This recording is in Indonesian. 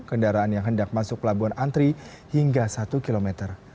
kendaraan yang hendak masuk pelabuhan antri hingga satu kilometer